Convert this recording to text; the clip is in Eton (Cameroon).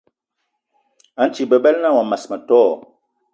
A nti bebela na wa mas ma tó?